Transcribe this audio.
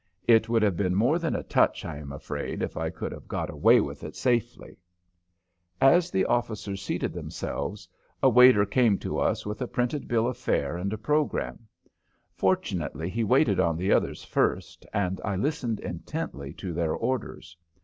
It would have been more than a touch, I am afraid, if I could have got away with it safely. As the officers seated themselves a waiter came to us with a printed bill of fare and a program. Fortunately, he waited on the others first, and I listened intently to their orders.